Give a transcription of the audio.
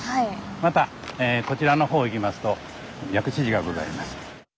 またこちらの方行きますと薬師寺がございます。